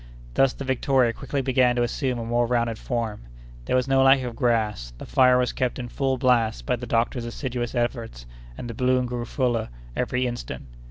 Thus, the Victoria quickly began to assume a more rounded form. There was no lack of grass; the fire was kept in full blast by the doctor's assiduous efforts, and the balloon grew fuller every instant.